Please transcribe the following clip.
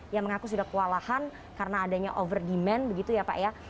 yang mengaku sudah kewalahan karena adanya over demand begitu ya pak ya